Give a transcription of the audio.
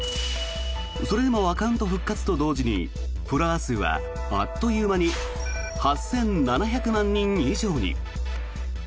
それでもアカウント復活と同時にフォロワー数はあっという間に８７００万人以上に。